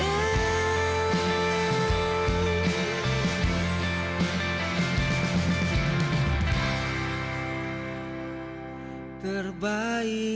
aku cuma pesawat